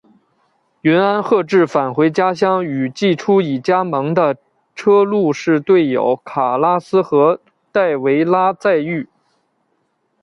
云安贺治返回家乡与季初已加盟的车路士队友卡拉斯和戴维拉再遇。